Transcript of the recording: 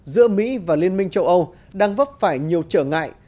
giữa mỹ và liên minh châu âu đang vấp phải nhiều trở ngại